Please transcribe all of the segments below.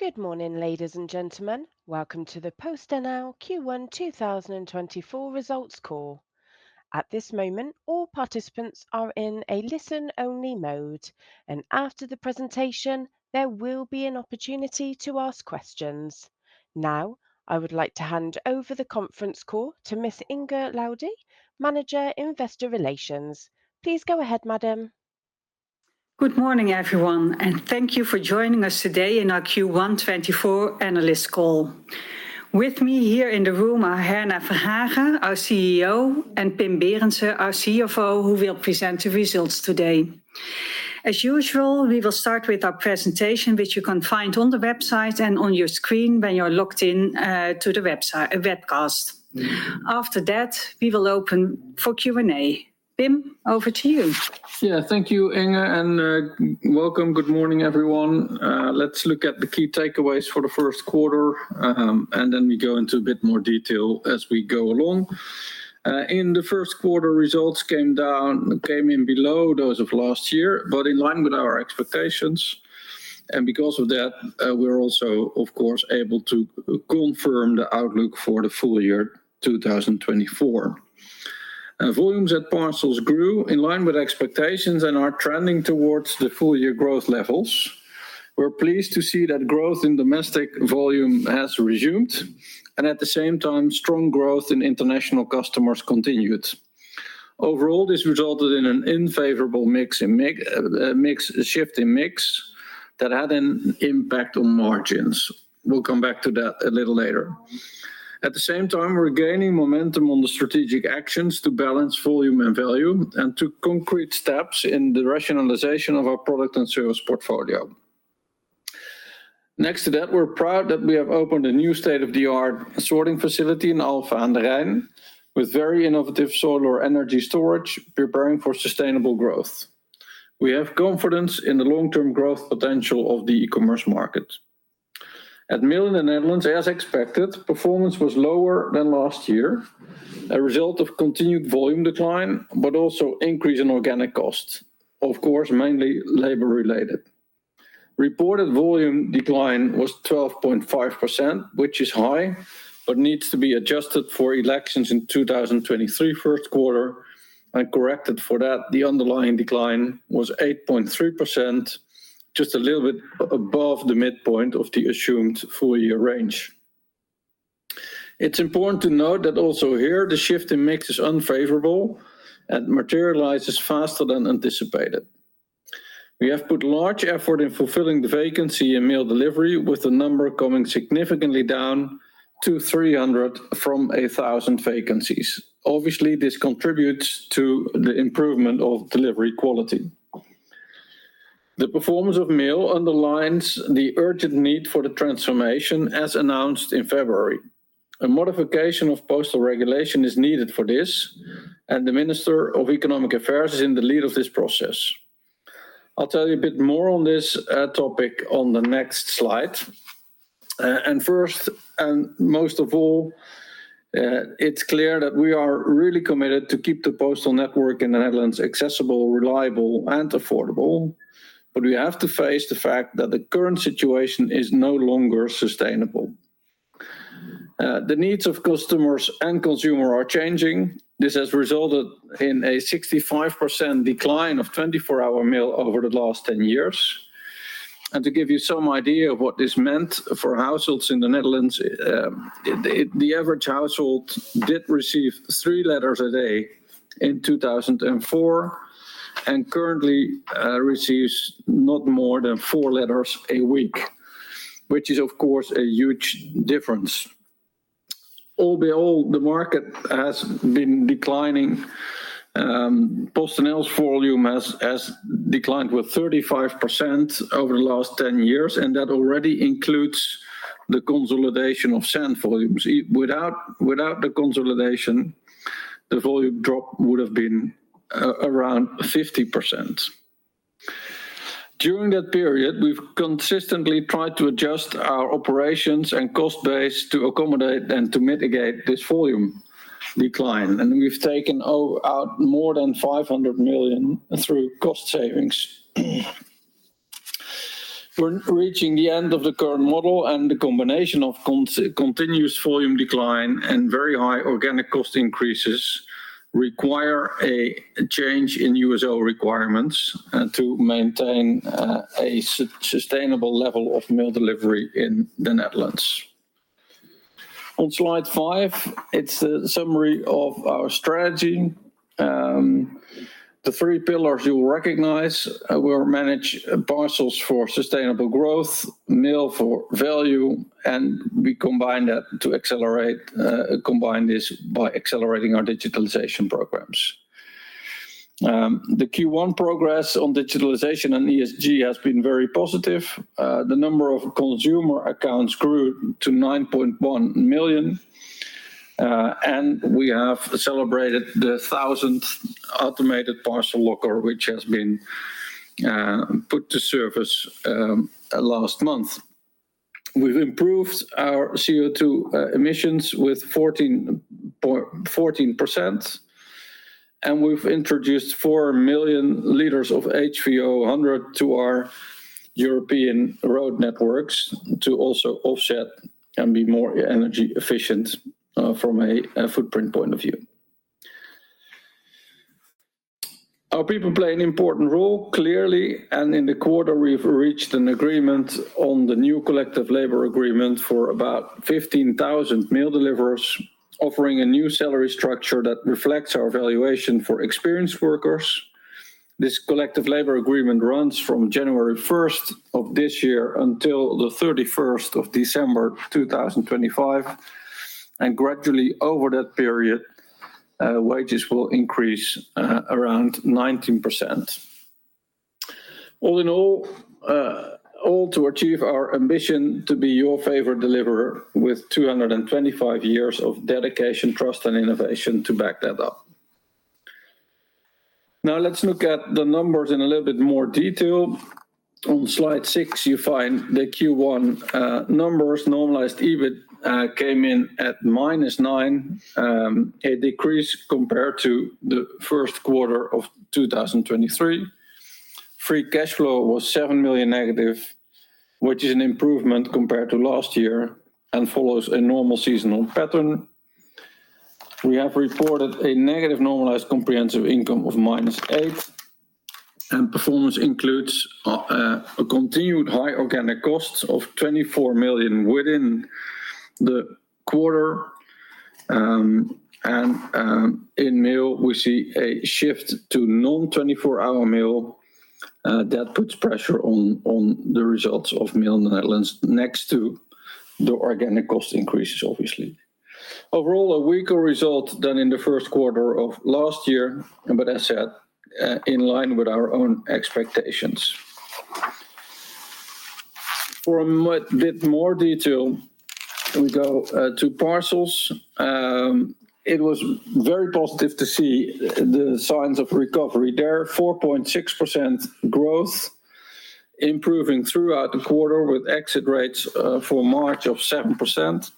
Good morning, ladies and gentlemen. Welcome to the PostNL Q1 2024 results call. At this moment, all participants are in a listen-only mode, and after the presentation, there will be an opportunity to ask questions. Now, I would like to hand over the conference call to Ms. Inge Laudy, Manager, Investor Relations. Please go ahead, madam. Good morning, everyone, and thank you for joining us today in our Q1 2024 analyst call. With me here in the room are Herna Verhagen, our CEO, and Pim Berendsen, our CFO, who will present the results today. As usual, we will start with our presentation, which you can find on the website and on your screen when you're logged in to the website webcast. After that, we will open for Q&A. Pim, over to you. Yeah. Thank you, Inge, and welcome. Good morning, everyone. Let's look at the key takeaways for the first quarter, and then we go into a bit more detail as we go along. In the first quarter, results came in below those of last year, but in line with our expectations, and because of that, we're also, of course, able to confirm the outlook for the full year, 2024. Volumes at parcels grew in line with expectations and are trending towards the full year growth levels. We're pleased to see that growth in domestic volume has resumed, and at the same time, strong growth in international customers continued. Overall, this resulted in an unfavorable mix shift in mix that had an impact on margins. We'll come back to that a little later. At the same time, we're gaining momentum on the strategic actions to balance volume and value and took concrete steps in the rationalization of our product and service portfolio. Next to that, we're proud that we have opened a new state-of-the-art sorting facility in Alphen aan den Rijn, with very innovative solar energy storage, preparing for sustainable growth. We have confidence in the long-term growth potential of the e-commerce market. At Mail in the Netherlands, as expected, performance was lower than last year, a result of continued volume decline, but also increase in organic costs, of course, mainly labor-related. Reported volume decline was 12.5%, which is high, but needs to be adjusted for elections in 2023 first quarter. Corrected for that, the underlying decline was 8.3%, just a little bit above the midpoint of the assumed full-year range. It's important to note that also here, the shift in mix is unfavorable and materializes faster than anticipated. We have put large effort in fulfilling the vacancy in mail delivery, with the number coming significantly down to 300 from 1,000 vacancies. Obviously, this contributes to the improvement of delivery quality. The performance of Mail underlines the urgent need for the transformation, as announced in February. A modification of postal regulation is needed for this, and the Minister of Economic Affairs is in the lead of this process. I'll tell you a bit more on this topic on the next slide. And first and most of all, it's clear that we are really committed to keep the postal network in the Netherlands accessible, reliable, and affordable, but we have to face the fact that the current situation is no longer sustainable. The needs of customers and consumers are changing. This has resulted in a 65% decline of 24-hour mail over the last 10 years. To give you some idea of what this meant for households in the Netherlands, the average household did receive three letters a day in 2004, and currently receives not more than four letters a week, which is, of course, a huge difference. All in all, the market has been declining. PostNL's volume has declined with 35% over the last 10 years, and that already includes the consolidation of send volumes. Without the consolidation, the volume drop would have been around 50%. During that period, we've consistently tried to adjust our operations and cost base to accommodate and to mitigate this volume decline, and we've taken out more than 500 million through cost savings. We're reaching the end of the current model, and the combination of continuous volume decline and very high organic cost increases require a change in USO requirements and to maintain a sustainable level of mail delivery in the Netherlands. On slide five, it's a summary of our strategy. The three pillars you will recognize are, we'll manage parcels for sustainable growth, mail for value, and we combine that to accelerate, combine this by accelerating our digitalization programs. The Q1 progress on digitalization and ESG has been very positive. The number of consumer accounts grew to 9.1 million, and we have celebrated the 1,000th automated parcel locker, which has been put to service last month. We've improved our CO2 emissions with 14% and we've introduced 4 million liters of HVO100 to our European road networks to also offset and be more energy efficient from a footprint point of view. Our people play an important role, clearly, and in the quarter we've reached an agreement on the new collective labor agreement for about 15,000 mail deliverers, offering a new salary structure that reflects our valuation for experienced workers. This collective labor agreement runs from January 1 of this year until December 31, 2025, and gradually over that period, wages will increase around 19%. All in all, all to achieve our ambition to be your favorite deliverer, with 225 years of dedication, trust, and innovation to back that up. Now, let's look at the numbers in a little bit more detail. On slide six, you find the Q1 numbers. Normalized EBIT came in at -9 million, a decrease compared to the first quarter of 2023. Free cash flow was -7 million, which is an improvement compared to last year and follows a normal seasonal pattern. We have reported a negative normalized comprehensive income of -8 million, and performance includes a continued high organic costs of 24 million within the quarter. In Mail, we see a shift to non-24-hour mail that puts pressure on the results of Mail in the Netherlands next to the organic cost increases, obviously. Overall, a weaker result than in the first quarter of last year, but as said, in line with our own expectations. For a bit more detail, we go to parcels. It was very positive to see the signs of recovery. There, 4.6% growth, improving throughout the quarter with exit rates for March of 7%,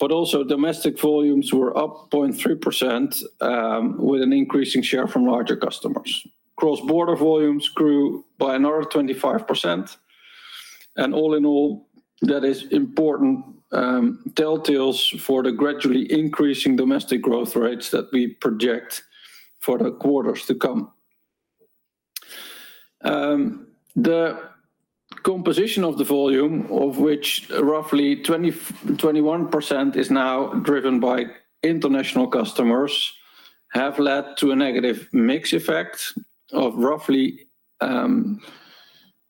but also domestic volumes were up 0.3%, with an increasing share from larger customers. Cross-border volumes grew by another 25%, and all in all, that is important telltales for the gradually increasing domestic growth rates that we project for the quarters to come. The composition of the volume, of which roughly 21% is now driven by international customers, have led to a negative mix effect of roughly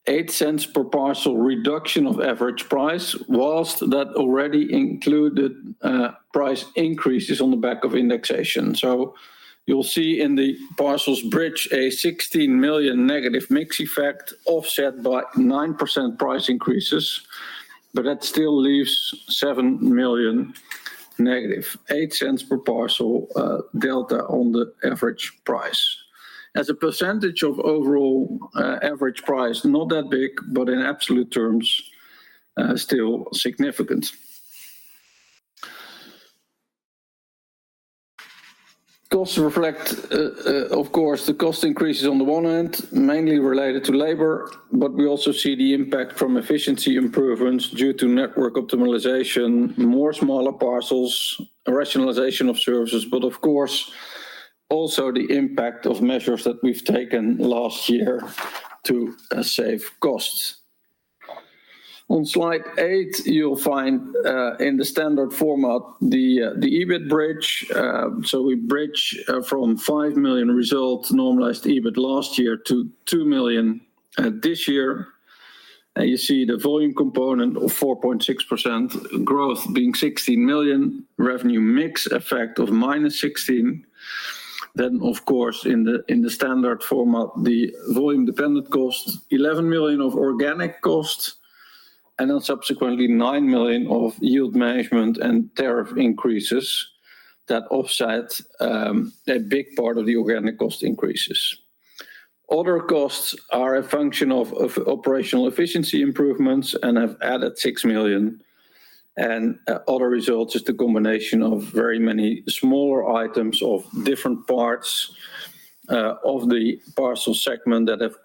eight cents per parcel reduction of average price, whilst that already included price increases on the back of indexation. So you'll see in the parcels bridge, a 16 million negative mix effect offset by 9% price increases, but that still leaves -7 million, 0.08 per parcel delta on the average price. As a percentage of overall average price, not that big, but in absolute terms still significant. Costs reflect, of course, the cost increases on the one hand, mainly related to labor, but we also see the impact from efficiency improvements due to network optimization, more smaller parcels, rationalization of services, but of course, also the impact of measures that we've taken last year to save costs. On slide eight, you'll find, in the standard format, the, the EBIT bridge. So we bridge, from 5 million results normalized EBIT last year to 2 million, this year. And you see the volume component of 4.6%, growth being 16 million, revenue mix effect of -16 million. Then, of course, in the, in the standard format, the volume-dependent costs, 11 million of organic costs, and then subsequently, 9 million of yield management and tariff increases that offset, a big part of the organic cost increases. Other costs are a function of operational efficiency improvements and have added 6 million. Other results is the combination of very many smaller items of different parts of the parcel segment that have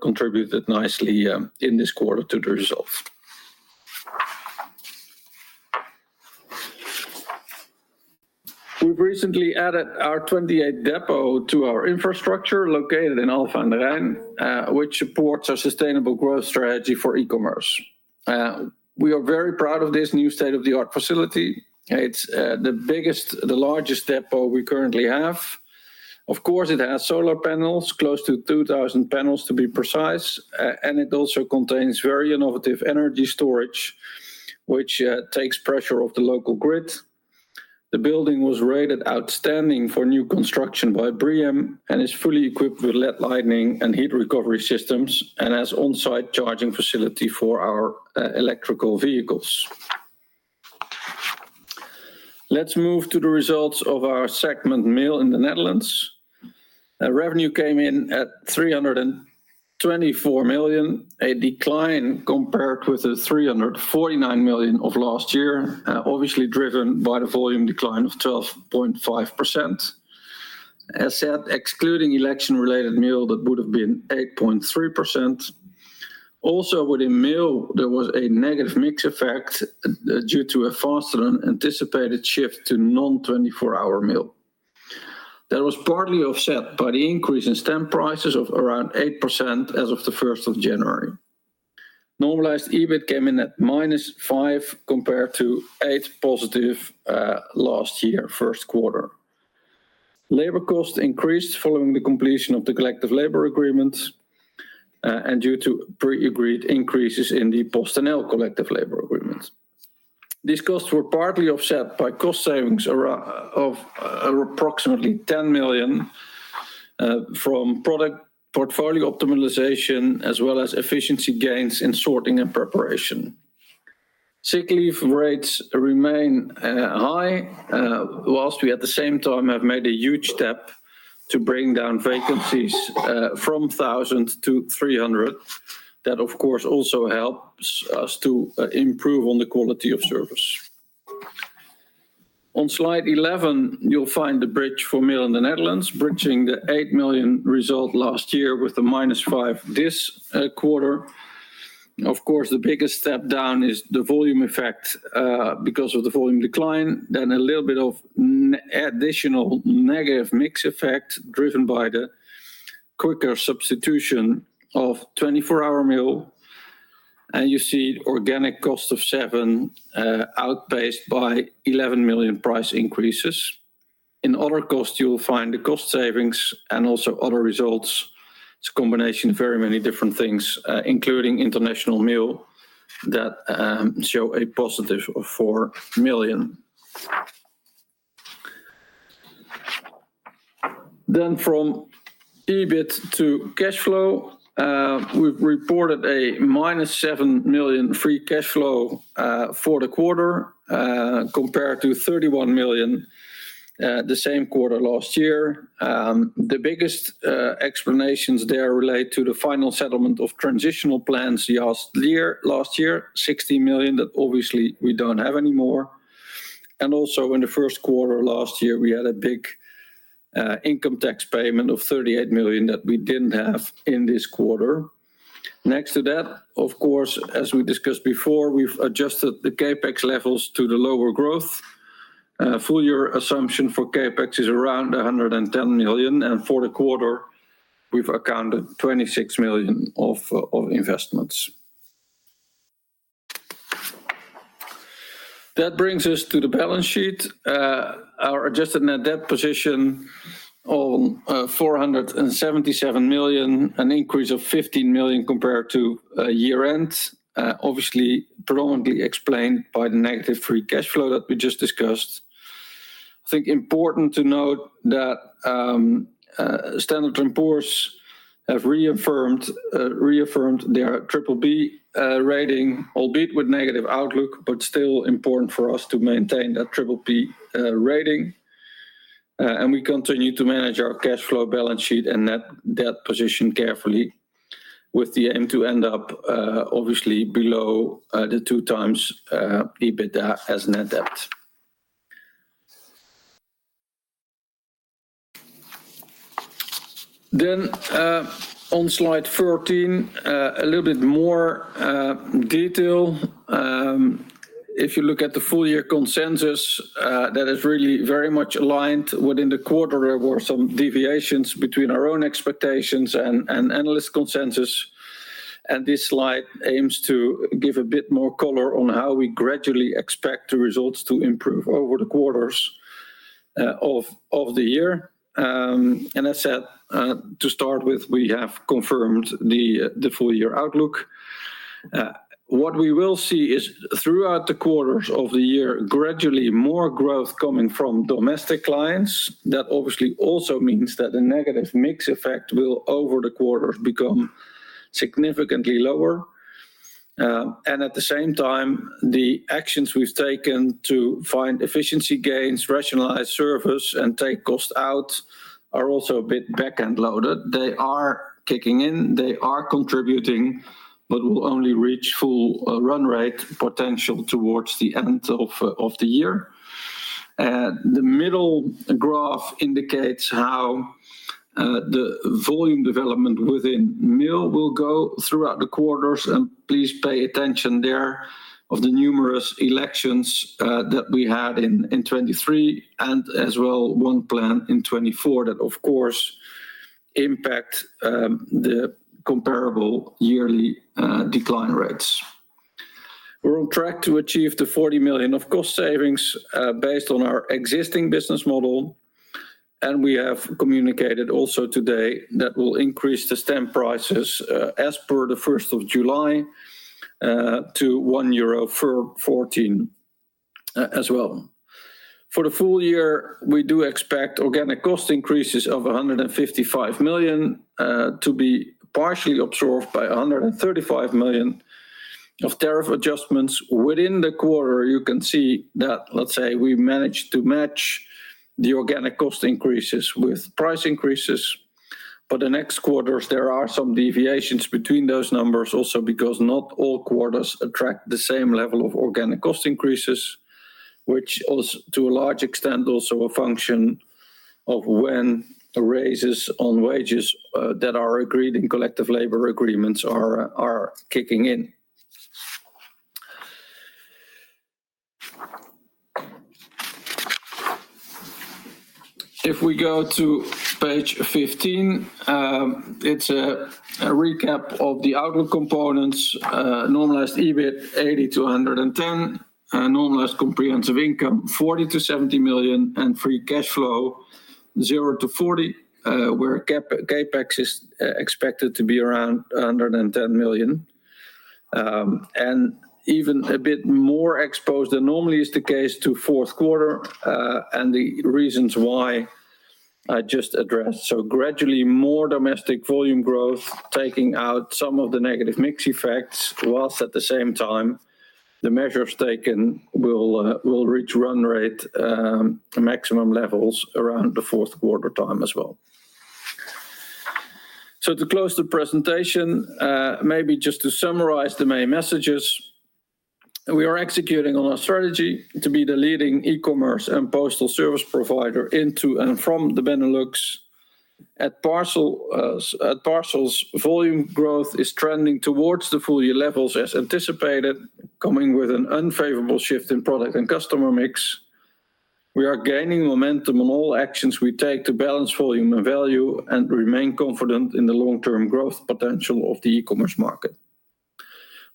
contributed nicely in this quarter to the results. We've recently added our 28th depot to our infrastructure located in Alphen aan den Rijn, which supports our sustainable growth strategy for e-commerce. We are very proud of this new state-of-the-art facility. It's the biggest, the largest depot we currently have. Of course, it has solar panels, close to 2,000 panels, to be precise, and it also contains very innovative energy storage, which takes pressure off the local grid. The building was rated outstanding for new construction by BREEAM and is fully equipped with LED lighting and heat recovery systems and has on-site charging facility for our electrical vehicles. Let's move to the results of our segment Mail in the Netherlands. Revenue came in at 324 million, a decline compared with the 349 million of last year, obviously driven by the volume decline of 12.5%. As said, excluding election-related mail, that would have been 8.3%. Also, within mail, there was a negative mix effect, due to a faster-than-anticipated shift to non-24-hour mail. That was partly offset by the increase in stamp prices of around 8% as of the 1st of January. Normalized EBIT came in at -5 million, compared to +8 million last year, first quarter. Labor costs increased following the completion of the collective labor agreements and due to pre-agreed increases in the PostNL collective labor agreements. These costs were partly offset by cost savings of approximately 10 million from product portfolio optimization, as well as efficiency gains in sorting and preparation. Sick leave rates remain high while we, at the same time, have made a huge step to bring down vacancies from 1,000 to 300. That, of course, also helps us to improve on the quality of service. On slide 11, you'll find the bridge for Mail in the Netherlands, bridging the 8 million result last year with a -5 this quarter. Of course, the biggest step down is the volume effect, because of the volume decline, then a little bit of additional negative mix effect driven by the quicker substitution of 24-hour mail, and you see organic cost of 7 million outpaced by 11 million price increases. In other costs, you will find the cost savings and also other results. It's a combination of very many different things, including international mail, that show a positive of 4 million. Then, from EBIT to cash flow, we've reported a -7 million free cash flow for the quarter, compared to 31 million the same quarter last year. The biggest explanations there relate to the final settlement of transitional plans last year, last year, 60 million that obviously we don't have anymore. Also, in the first quarter last year, we had a big income tax payment of 38 million that we didn't have in this quarter. Next to that, of course, as we discussed before, we've adjusted the CapEx levels to the lower growth. Full year assumption for CapEx is around 110 million, and for the quarter, we've accounted 26 million of investments. That brings us to the balance sheet. Our adjusted net debt position of 477 million, an increase of 15 million compared to year-end. Obviously, predominantly explained by the negative free cash flow that we just discussed. I think important to note that Standard & Poor's have reaffirmed their triple B rating, albeit with negative outlook, but still important for us to maintain that triple B rating. And we continue to manage our cash flow balance sheet and net debt position carefully, with the aim to end up, obviously below, the 2x EBITDA as net debt. Then, on slide 14, a little bit more detail. If you look at the full-year consensus, that is really very much aligned. Within the quarter, there were some deviations between our own expectations and analyst consensus, and this slide aims to give a bit more color on how we gradually expect the results to improve over the quarters of the year. And I said, to start with, we have confirmed the full-year outlook. What we will see is, throughout the quarters of the year, gradually more growth coming from domestic clients. That obviously also means that the negative mix effect will, over the quarters, become significantly lower. And at the same time, the actions we've taken to find efficiency gains, rationalize service, and take costs out are also a bit back-end loaded. They are kicking in, they are contributing, but will only reach full run rate potential towards the end of the year. The middle graph indicates how the volume development within mail will go throughout the quarters, and please pay attention there to the numerous elections that we had in 2023, and as well, one planned in 2024, that, of course, impact the comparable yearly decline rates. We're on track to achieve 40 million of cost savings based on our existing business model, and we have communicated also today that we'll increase the stamp prices as per the first of July to 1.14 euro as well. For the full year, we do expect organic cost increases of 155 million to be partially absorbed by 135 million of tariff adjustments within the quarter. You can see that, let's say, we managed to match the organic cost increases with price increases. But the next quarters, there are some deviations between those numbers also because not all quarters attract the same level of organic cost increases, which also, to a large extent, also a function of when the raises on wages that are agreed in collective labor agreements are kicking in. If we go to page 15, it's a recap of the outlook components, normalized EBIT 80 million - 110 million, and normalized comprehensive income 40 million - 70 million, and free cash flow 0 - 40 million, where CapEx is expected to be around 110 million. Even a bit more exposed than normally is the case to fourth quarter, and the reasons why I just addressed. Gradually, more domestic volume growth, taking out some of the negative mix effects, whilst at the same time, the measures taken will reach run rate maximum levels around the fourth quarter time as well. To close the presentation, maybe just to summarize the main messages. We are executing on our strategy to be the leading e-commerce and postal service provider into and from the Benelux. At parcels, volume growth is trending towards the full-year levels as anticipated, coming with an unfavorable shift in product and customer mix. We are gaining momentum on all actions we take to balance volume and value, and remain confident in the long-term growth potential of the e-commerce market.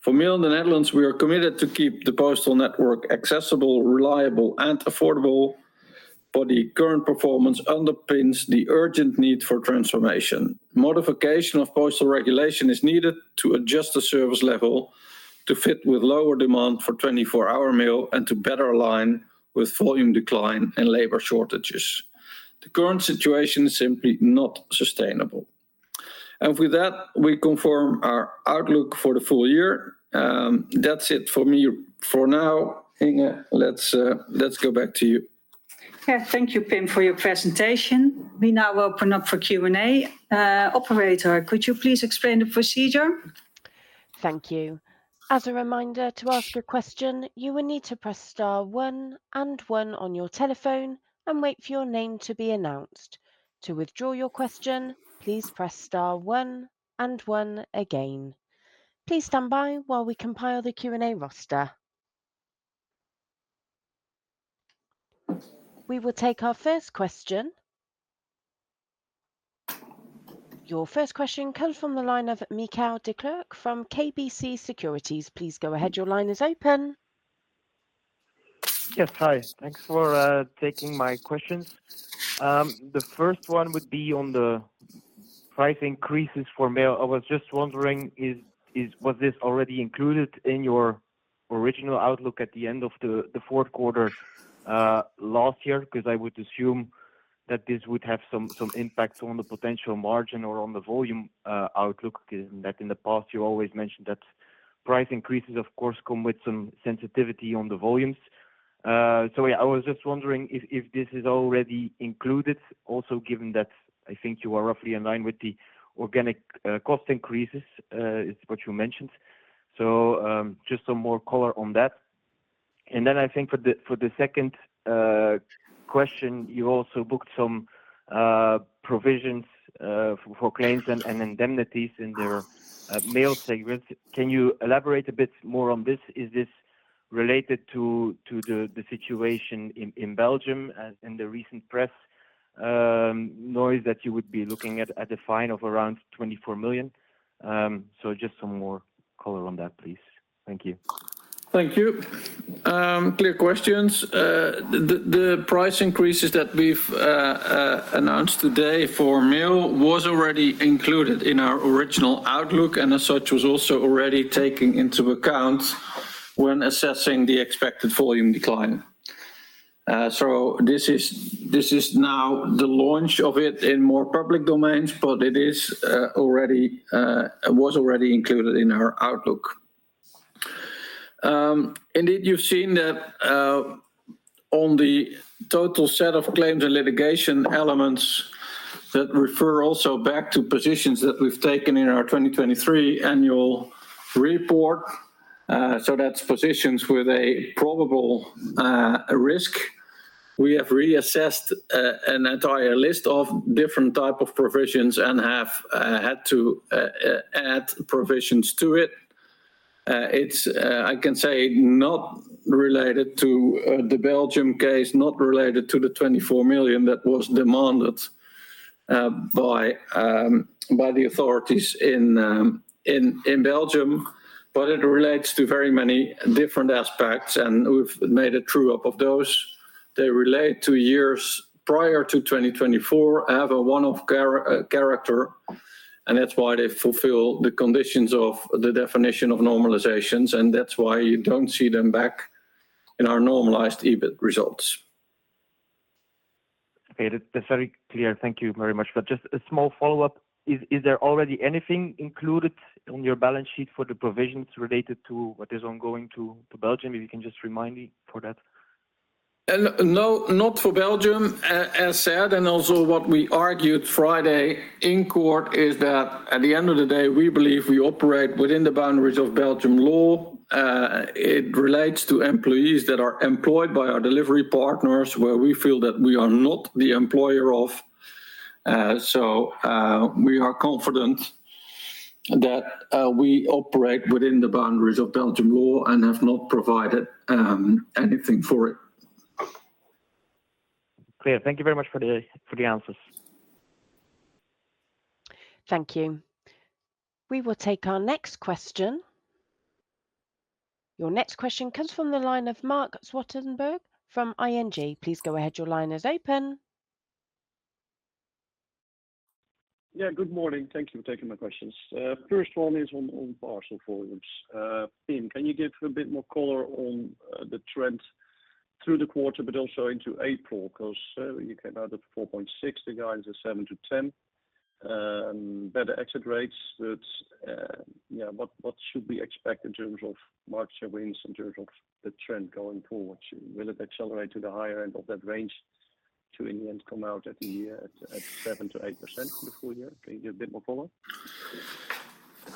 For Mail in the Netherlands, we are committed to keep the postal network accessible, reliable, and affordable, but the current performance underpins the urgent need for transformation. Modification of postal regulation is needed to adjust the service level to fit with lower demand for 24-hour mail and to better align with volume decline and labor shortages. The current situation is simply not sustainable. And with that, we confirm our outlook for the full year. That's it for me for now. Inge, let's go back to you. Yeah. Thank you, Pim, for your presentation. We now open up for Q&A. Operator, could you please explain the procedure? Thank you. As a reminder, to ask a question, you will need to press star one and one on your telephone and wait for your name to be announced. To withdraw your question, please press star one and one again. Please stand by while we compile the Q&A roster. We will take our first question. Your first question comes from the line of Michiel Declercq from KBC Securities. Please go ahead. Your line is open. Yes. Hi. Thanks for taking my questions. The first one would be on the price increases for Mail. I was just wondering, was this already included in your original outlook at the end of the fourth quarter last year? Because I would assume that this would have some impacts on the potential margin or on the volume outlook. Given that in the past, you always mentioned that price increases, of course, come with some sensitivity on the volumes. So yeah, I was just wondering if this is already included. Also, given that I think you are roughly in line with the organic cost increases, is what you mentioned. So, just some more color on that. Then I think for the second question, you also booked some provisions for claims and indemnities in the Mail segment. Can you elaborate a bit more on this? Is this related to the situation in Belgium and the recent press noise that you would be looking at a fine of around 24 million? So just some more color on that, please. Thank you. Thank you. Clear questions. The price increases that we've announced today for mail was already included in our original outlook, and as such, was also already taken into account when assessing the expected volume decline. So this is now the launch of it in more public domains, but it is already was already included in our outlook. Indeed, you've seen that on the total set of claims and litigation elements that refer also back to positions that we've taken in our 2023 annual report, so that's positions with a probable risk. We have reassessed an entire list of different type of provisions and have had to add provisions to it. It's, I can say not related to the Belgium case, not related to the 24 million that was demanded by the authorities in Belgium, but it relates to very many different aspects, and we've made a true-up of those. They relate to years prior to 2024, have a one-off character, and that's why they fulfill the conditions of the definition of normalizations, and that's why you don't see them back in our normalized EBIT results. Okay, that's, that's very clear. Thank you very much. But just a small follow-up: is there already anything included on your balance sheet for the provisions related to what is ongoing to Belgium? If you can just remind me for that. No, not for Belgium. As said, and also what we argued Friday in court, is that at the end of the day, we believe we operate within the boundaries of Belgian law. It relates to employees that are employed by our delivery partners, where we feel that we are not the employer of. So, we are confident that we operate within the boundaries of Belgian law and have not provided anything for it. Clear. Thank you very much for the answers. Thank you. We will take our next question. Your next question comes from the line of Marc Zwartsenburg from ING. Please go ahead, your line is open. Yeah, good morning. Thank you for taking my questions. First one is on parcel volumes. Pim, can you give a bit more color on the trend through the quarter, but also into April? 'Cause you came out at 4.6%, the guidance is 7% - 10%, better exit rates. That's, yeah, what should we expect in terms of March or in terms of the trend going forward? Will it accelerate to the higher end of that range to in the end come out at the year at 7% - 8% for the full year? Can you give a bit more color?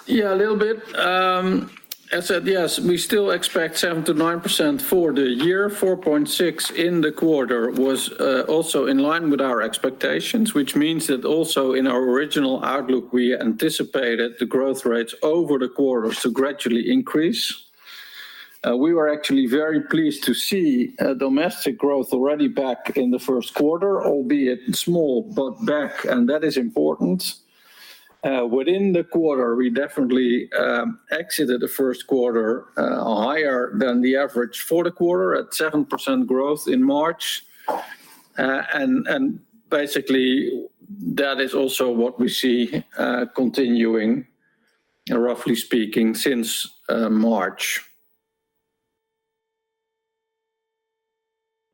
Yeah, a little bit. As said, yes, we still expect 7% - 9% for the year. 4.6 in the quarter was also in line with our expectations, which means that also in our original outlook, we anticipated the growth rates over the quarters to gradually increase. We were actually very pleased to see domestic growth already back in the first quarter, albeit small, but back, and that is important. Within the quarter, we definitely exited the first quarter higher than the average for the quarter at 7% growth in March. And basically, that is also what we see continuing, roughly speaking, since March.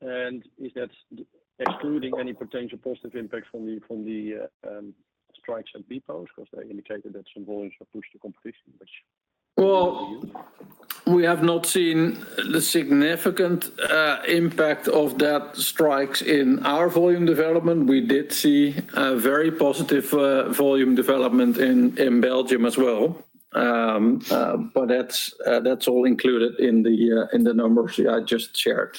Is that excluding any potential positive impact from the strikes and depots? 'Cause they indicated that some volumes were pushed to competition, which. Well, we have not seen the significant impact of that strikes in our volume development. We did see a very positive volume development in Belgium as well. But that's all included in the numbers I just shared.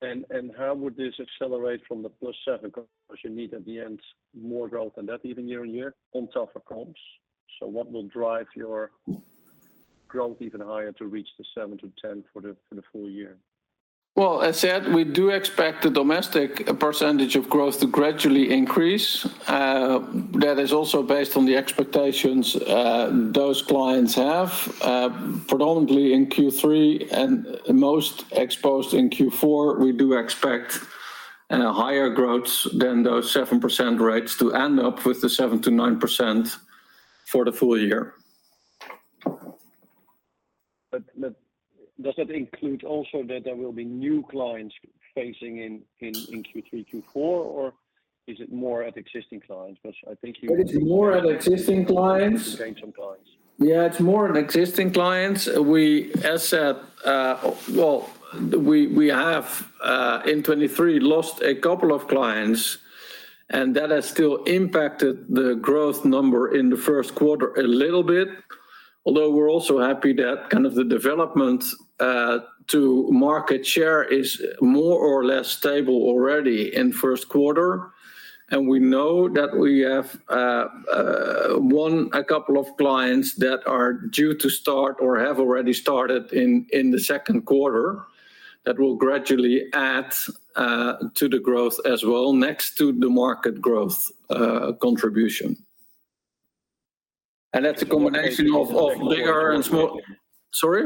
And how would this accelerate from the +7? Cause you need at the end more growth than that, year-on-year, on top of comps. So what will drive your growth even higher to reach the 7% - 10% for the full year? Well, as said, we do expect the domestic percentage of growth to gradually increase. That is also based on the expectations, those clients have. Predominantly in Q3 and most exposed in Q4, we do expect, higher growth than those 7% rates to end up with the 7% - 9% for the full year. But does that include also that there will be new clients facing in Q3, Q4, or is it more at existing clients? Because I think you. It is more at existing clients. Gain some clients. Yeah, it's more on existing clients. We, as said. Well, we have in 2023 lost a couple of clients, and that has still impacted the growth number in the first quarter a little bit, although we're also happy that kind of the development to market share is more or less stable already in first quarter. And we know that we have won a couple of clients that are due to start or have already started in the second quarter, that will gradually add to the growth as well, next to the market growth contribution. And that's a combination of bigger and small. Sorry?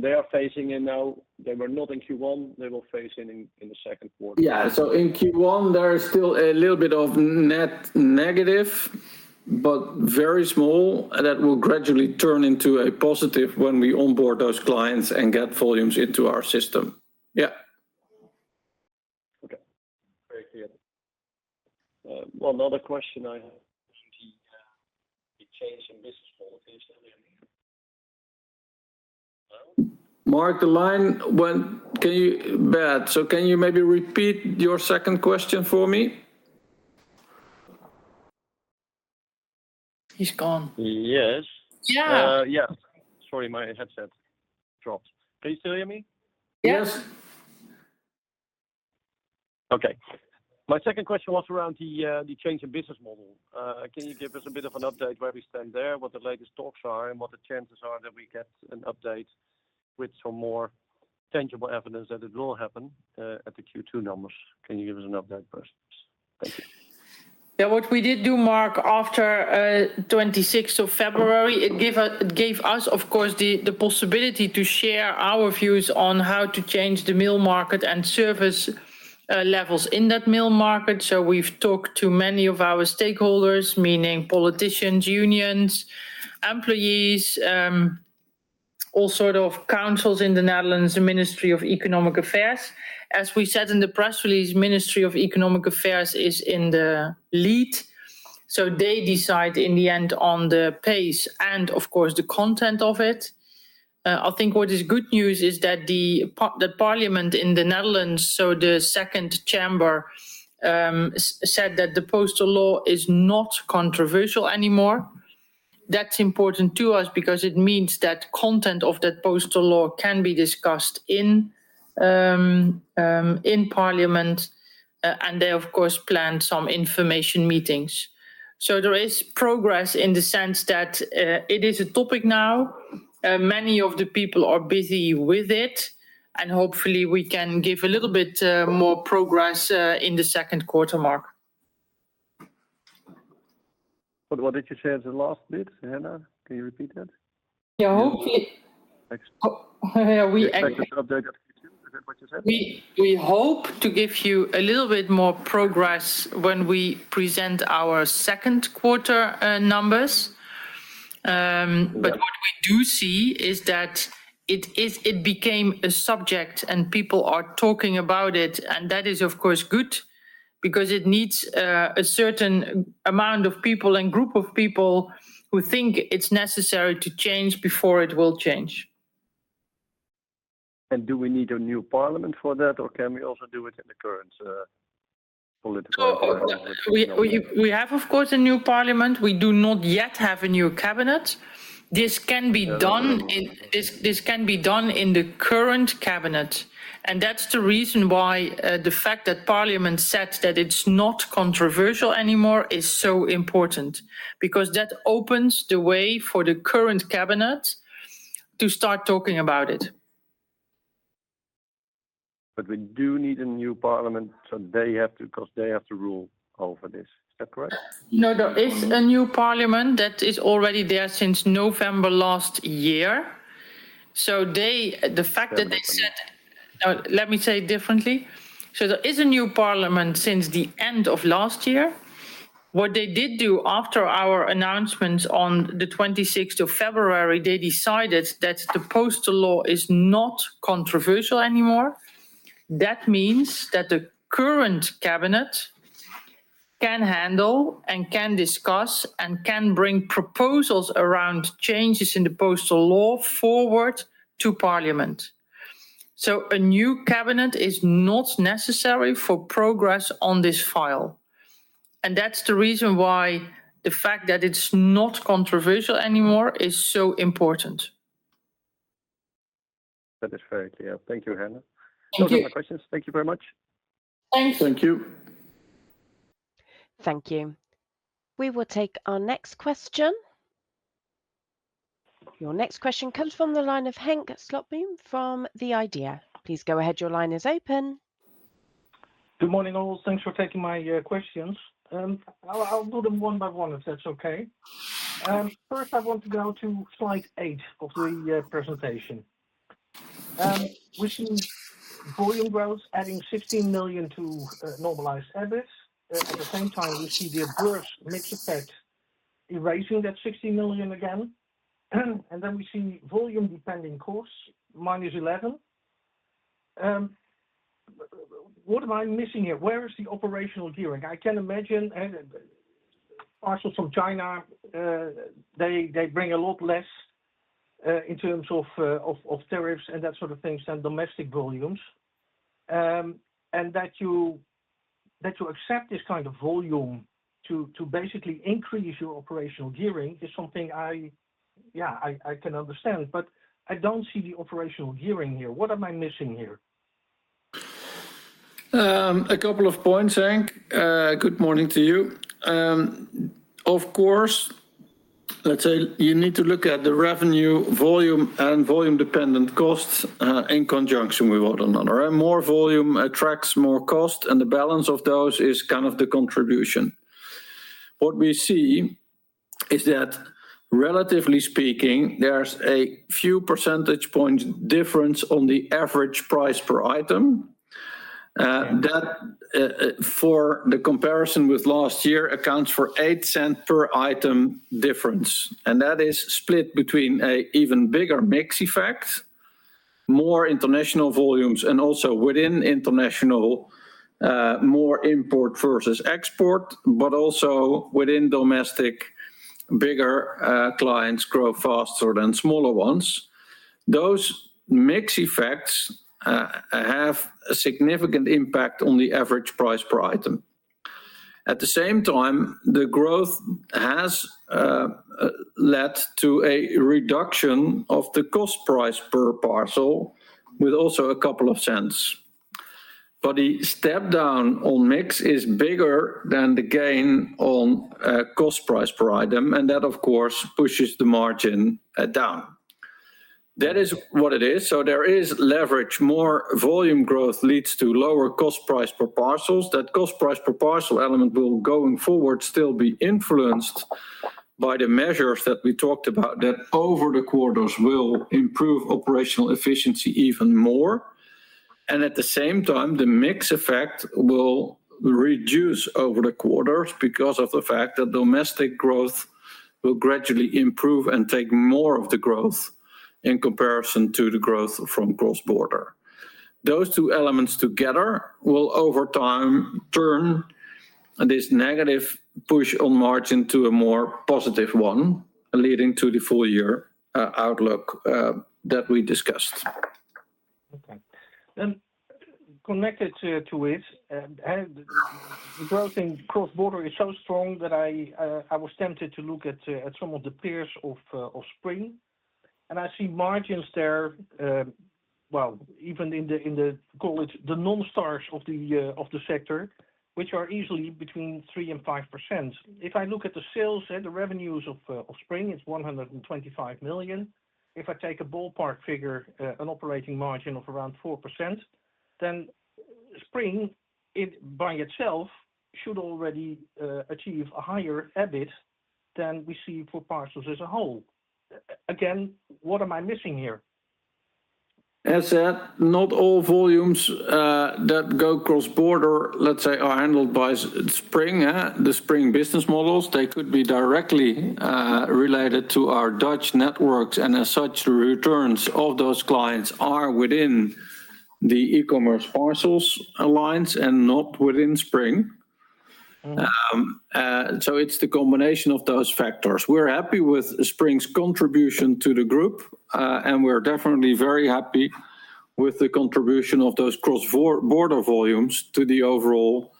They are phasing in now. They were not in Q1, they will phase in the second quarter? Yeah. So in Q1, there is still a little bit of net negative, but very small, and that will gradually turn into a positive when we onboard those clients and get volumes into our system. Yeah. Okay. Very clear. One other question I have, the change in business model, is there any. Mark, the line went bad. So can you maybe repeat your second question for me? He's gone. Yes. Yeah! Yeah. Sorry, my headset dropped. Can you still hear me? Yes. Yes. Okay. My second question was around the change in business model. Can you give us a bit of an update where we stand there, what the latest talks are, and what the chances are that we get an update with some more tangible evidence that it will happen at the Q2 numbers? Can you give us an update first, please? Thank you. Yeah, what we did do, Mark, after 26th of February, it gave us, of course, the possibility to share our views on how to change the mail market and service levels in that mail market. So we've talked to many of our stakeholders, meaning politicians, unions, employees, all sort of councils in the Netherlands, the Ministry of Economic Affairs. As we said in the press release, Ministry of Economic Affairs is in the lead, so they decide in the end on the pace and of course, the content of it. I think what is good news is that the parliament in the Netherlands, so the second chamber, said that the postal law is not controversial anymore. That's important to us because it means that content of that postal law can be discussed in parliament, and they, of course, planned some information meetings. So there is progress in the sense that it is a topic now. Many of the people are busy with it, and hopefully, we can give a little bit more progress in the second quarter, Mark. What did you say as the last bit, Herna? Can you repeat that? Yeah, hopefully. Thanks. Oh, we actually. Is that what you said? We, we hope to give you a little bit more progress when we present our second quarter numbers. But what we do see is that it is... It became a subject and people are talking about it, and that is, of course, good, because it needs a certain amount of people and group of people who think it's necessary to change before it will change. Do we need a new parliament for that, or can we also do it in the current political? We have, of course, a new parliament. We do not yet have a new cabinet. This can be done in the current cabinet, and that's the reason why the fact that parliament said that it's not controversial anymore is so important, because that opens the way for the current cabinet to start talking about it. But we do need a new parliament, so they have to, because they have to rule over this. Is that correct? No, there is a new parliament that is already there since November last year. So they. the fact that they said. Now, let me say it differently. So there is a new parliament since the end of last year. What they did do after our announcement on the twenty-sixth of February, they decided that the postal law is not controversial anymore. That means that the current cabinet can handle and can discuss, and can bring proposals around changes in the postal law forward to parliament. So a new cabinet is not necessary for progress on this file, and that's the reason why the fact that it's not controversial anymore is so important. That is very clear. Thank you, Herna. Thank you. No more questions. Thank you very much. Thanks. Thank you. Thank you. We will take our next question. Your next question comes from the line of Henk Slotboom from The Idea. Please go ahead, your line is open. Good morning, all. Thanks for taking my questions. I'll do them one by one, if that's okay. First, I want to go to slide eight of the presentation. We see volume growth adding 16 million to normalized EBIT. At the same time, we see the adverse mix effect erasing that 16 million again. And then we see volume-dependent costs, -11 million. What am I missing here? Where is the operational gearing? I can imagine parcels from China; they bring a lot less in terms of tariffs and that sort of things than domestic volumes. And that you accept this kind of volume to basically increase your operational gearing is something I, yeah, I can understand, but I don't see the operational gearing here. What am I missing here? A couple of points, Henk. Good morning to you. Of course, let's say you need to look at the revenue volume and volume-dependent costs in conjunction with one another, and more volume attracts more cost, and the balance of those is kind of the contribution. What we see is that, relatively speaking, there's a few percentage points difference on the average price per item. Yeah That, for the comparison with last year, accounts for 0.08 per item difference, and that is split between a even bigger mix effect, more international volumes, and also within international, more import versus export, but also within domestic, bigger clients grow faster than smaller ones. Those mix effects have a significant impact on the average price per item. At the same time, the growth has led to a reduction of the cost price per parcel with also a couple of cents. But the step down on mix is bigger than the gain on cost price per item, and that, of course, pushes the margin down. That is what it is, so there is leverage. More volume growth leads to lower cost price per parcels. That cost price per parcel element will, going forward, still be influenced by the measures that we talked about, that over the quarters will improve operational efficiency even more, and at the same time, the mix effect will reduce over the quarters because of the fact that domestic growth will gradually improve and take more of the growth in comparison to the growth from cross-border. Those two elements together will, over time, turn this negative push on margin to a more positive one, leading to the full year outlook that we discussed. Okay. Then connected to it, and growth in cross-border is so strong that I was tempted to look at some of the peers of Spring, and I see margins there, well, even in the, call it the non-stars of the sector, which are easily between 3%-5%. If I look at the sales and the revenues of Spring, it's 125 million. If I take a ballpark figure, an operating margin of around 4%, then Spring it by itself should already achieve a higher EBIT than we see for parcels as a whole. Again, what am I missing here? As said, not all volumes that go cross-border, let's say, are handled by Spring, yeah, the Spring business models. They could be directly related to our Dutch networks, and as such, the returns of those clients are within the e-commerce parcels alliance and not within Spring. It's the combination of those factors. We're happy with Spring's contribution to the group, and we're definitely very happy with the contribution of those cross-border volumes to the overall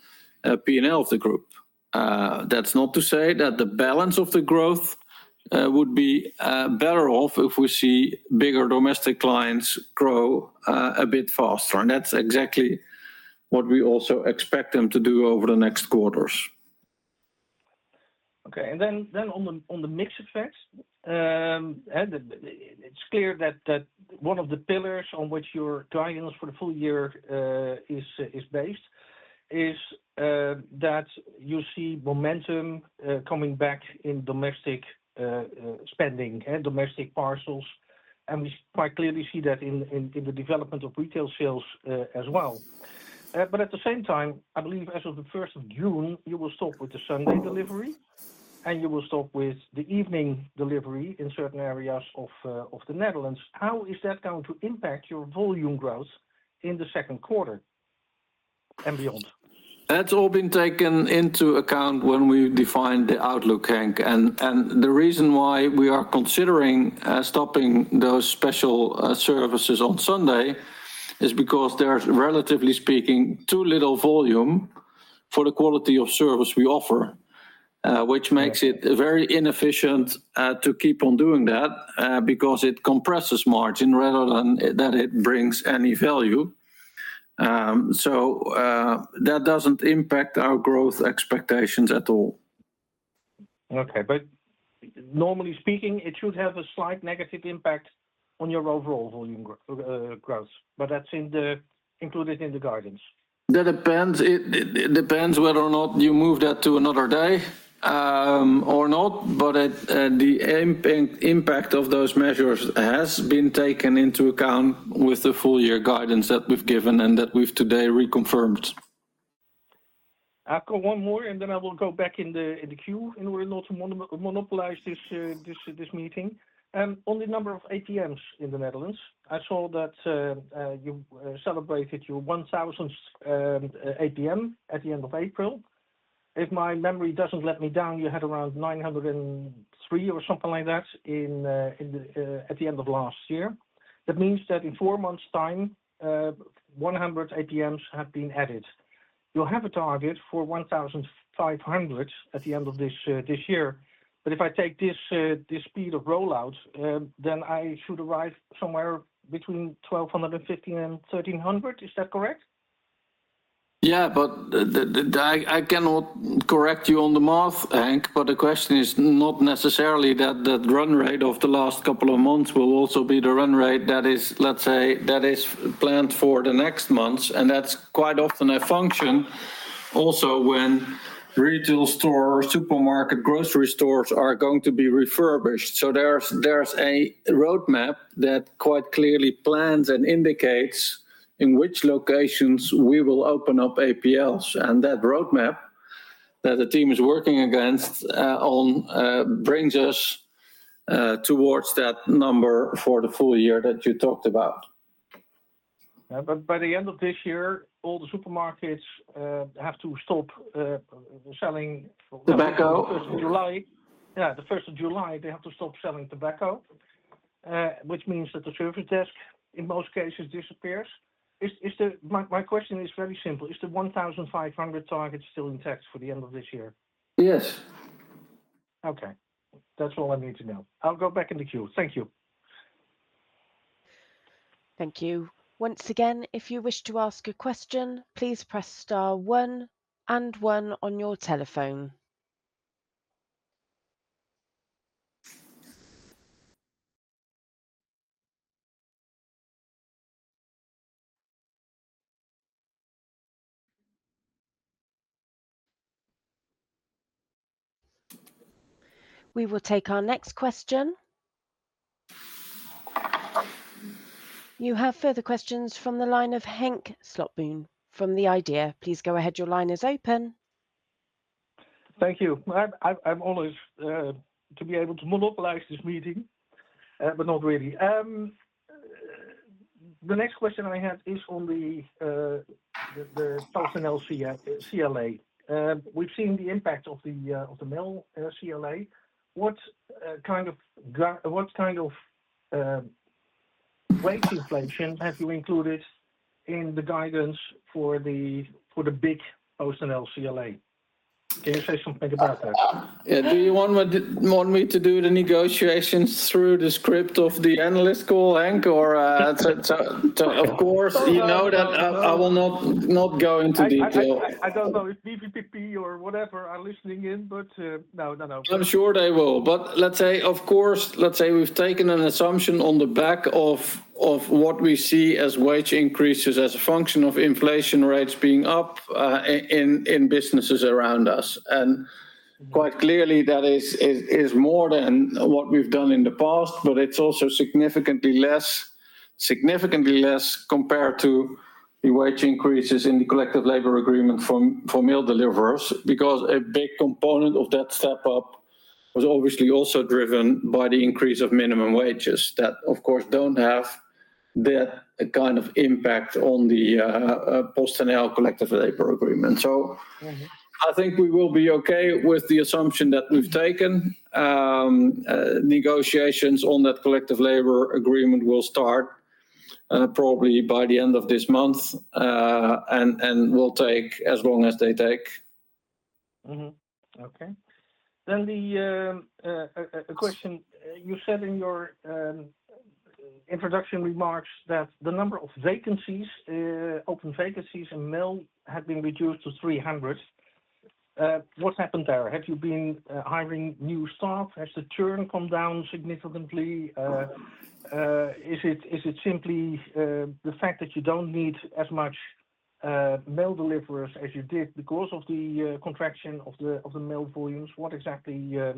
PNL of the group. That's not to say that the balance of the growth would be better off if we see bigger domestic clients grow a bit faster, and that's exactly what we also expect them to do over the next quarters. Okay, and then on the mix effects, and it's clear that one of the pillars on which your guidance for the full year is based is that you see momentum coming back in domestic spending and domestic parcels, and we quite clearly see that in the development of retail sales as well. But at the same time, I believe as of the first of June, you will stop with the Sunday delivery, and you will stop with the evening delivery in certain areas of the Netherlands. How is that going to impact your volume growth in the second quarter and beyond? That's all been taken into account when we defined the outlook, Henk, and the reason why we are considering stopping those special services on Sunday is because there is, relatively speaking, too little volume for the quality of service we offer, which makes it very inefficient to keep on doing that because it compresses margin rather than that it brings any value. So, that doesn't impact our growth expectations at all. Okay, but normally speaking, it should have a slight negative impact on your overall volume growth, but that's included in the guidance? That depends. It depends whether or not you move that to another day or not, but the impact of those measures has been taken into account with the full year guidance that we've given and that we've today reconfirmed. I've got one more, and then I will go back in the queue, in order not to monopolize this meeting. On the number of APMs in the Netherlands, I saw that you celebrated your 1,000th APM at the end of April. If my memory doesn't let me down, you had around 903 or something like that at the end of last year. That means that in four months' time, 100 APMs have been added. You'll have a target for 1,500 at the end of this year, but if I take this speed of rollout, then I should arrive somewhere between 1,215 and 1,300. Is that correct? Yeah, but the. I cannot correct you on the math, Henk, but the question is not necessarily that the run rate of the last couple of months will also be the run rate that is, let's say, that is planned for the next months, and that's quite often a function also when retail store, supermarket, grocery stores are going to be refurbished. So there's a roadmap that quite clearly plans and indicates in which locations we will open up APMs, and that roadmap that the team is working against, on, brings us towards that number for the full year that you talked about. Yeah, but by the end of this year, all the supermarkets have to stop selling. Tobacco On July. Yeah, the first of July, they have to stop selling tobacco, which means that the service desk, in most cases, disappears. My question is very simple: Is the 1,500 target still intact for the end of this year? Yes. Okay, that's all I need to know. I'll go back in the queue. Thank you. Thank you. Once again, if you wish to ask a question, please press star one and one on your telephone. We will take our next question. You have further questions from the line of Henk Slotboom from The Idea. Please go ahead, your line is open. Thank you. I'm honored to be able to monopolize this meeting, but not really. The next question I have is on the PostNL CLA. We've seen the impact of the mail CLA. What kind of wage inflation have you included in the guidance for the big PostNL CLA? Can you say something about that? Yeah, do you want me to do the negotiations through the script of the analyst call, Henk? Or, so of course, you know that I will not go into detail. I don't know if BBPP or whatever are listening in, but. No, no, no. I'm sure they will. But let's say, of course, let's say we've taken an assumption on the back of, of what we see as wage increases as a function of inflation rates being up, in businesses around us. And quite clearly, that is more than what we've done in the past, but it's also significantly less compared to the wage increases in the collective labor agreement for mail deliverers. Because a big component of that step up was obviously also driven by the increase of minimum wages, that, of course, don't have that kind of impact on the PostNL collective labor agreement. So i think we will be okay with the assumption that we've taken. Negotiations on that collective labor agreement will start, probably by the end of this month, and will take as long as they take. Mm-hmm. Okay. Then the question, you said in your introduction remarks that the number of vacancies, open vacancies in mail have been reduced to 300. What happened there? Have you been hiring new staff? Has the churn come down significantly? Is it simply the fact that you don't need as much mail deliverers as you did because of the contraction of the mail volumes? What exactly are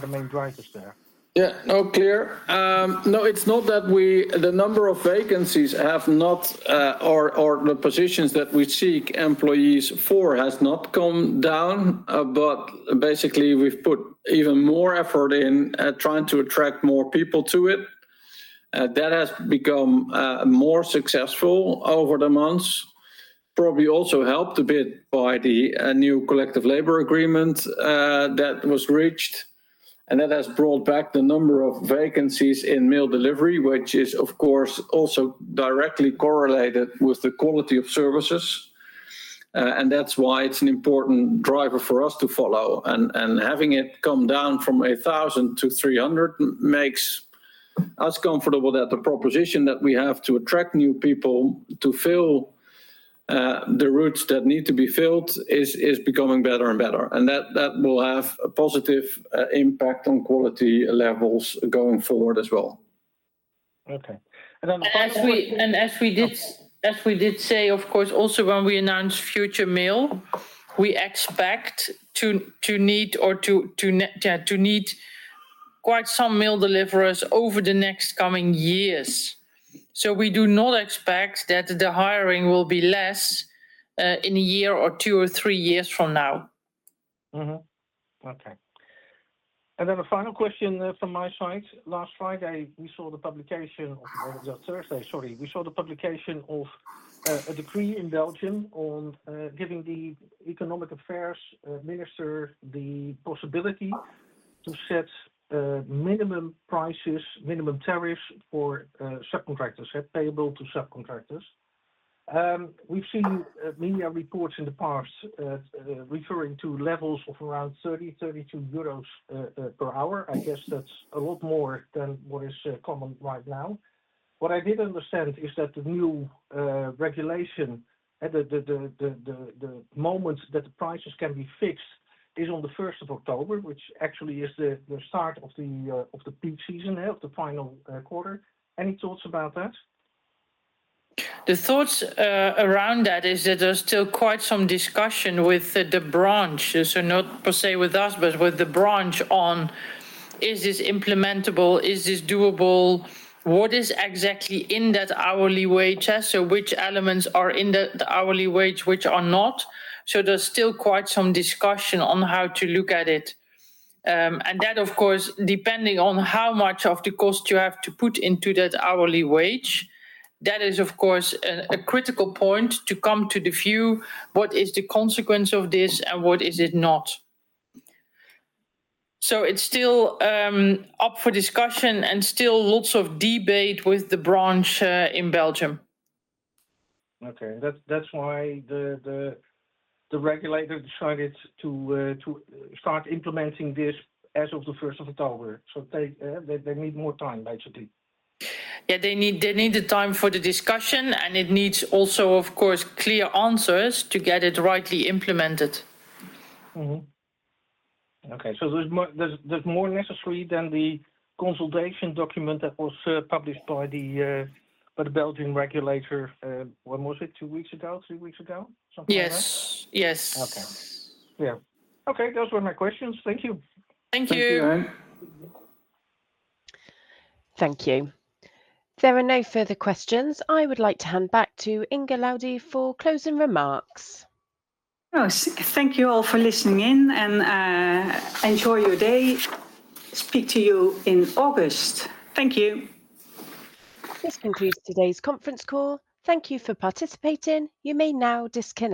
the main drivers there? Yeah. No, clear. No, it's not that we. The number of vacancies have not, or, or the positions that we seek employees for, has not come down. But basically, we've put even more effort in at trying to attract more people to it. That has become more successful over the months. Probably also helped a bit by the new collective labor agreement that was reached, and that has brought back the number of vacancies in mail delivery, which is, of course, also directly correlated with the quality of services. And that's why it's an important driver for us to follow. And having it come down from 1,000 to 300 makes us comfortable that the proposition that we have to attract new people to fill the routes that need to be filled is becoming better and better. That will have a positive impact on quality levels going forward as well. Okay. And then the final question. As we did say, of course, also when we announced future mail, we expect to need quite some mail deliverers over the next coming years. So we do not expect that the hiring will be less in a year or two or three years from now. Mm-hmm. Okay. And then a final question from my side. Last Friday, we saw the publication of. Well, it was on Thursday, sorry. We saw the publication of a decree in Belgium on giving the economic affairs minister the possibility to set minimum prices, minimum tariffs for subcontractors payable to subcontractors. We've seen media reports in the past referring to levels of around 30 euros - 32 per hour. I guess that's a lot more than what is common right now. What I did understand is that the new regulation, the moment that the prices can be fixed is on the 1st of October, which actually is the start of the peak season, the final quarter. Any thoughts about that? The thoughts around that is that there's still quite some discussion with the branch. So not per se with us, but with the branch on, is this implementable? Is this doable? What is exactly in that hourly wage? So which elements are in the hourly wage, which are not? So there's still quite some discussion on how to look at it. And that, of course, depending on how much of the cost you have to put into that hourly wage, that is, of course, a critical point to come to the view, what is the consequence of this and what is it not? So it's still up for discussion and still lots of debate with the branch in Belgium. Okay. That's why the regulator decided to start implementing this as of the 1st of October. So they need more time, basically. Yeah, they need, they need the time for the discussion, and it needs also, of course, clear answers to get it rightly implemented. Mm-hmm. Okay, so there's more necessary than the consultation document that was published by the Belgian regulator. When was it? Two weeks ago, three weeks ago? Something like that. Yes. Yes. Okay. Yeah. Okay, those were my questions. Thank you. Thank you. Thank you, Henk. Thank you. There are no further questions. I would like to hand back to Inge Laudy for closing remarks. Thank you all for listening in, and enjoy your day. Speak to you in August. Thank you. This concludes today's conference call. Thank you for participating. You may now disconnect.